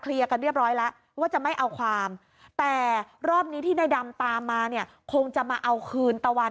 กันเรียบร้อยแล้วว่าจะไม่เอาความแต่รอบนี้ที่ในดำตามมาเนี่ยคงจะมาเอาคืนตะวัน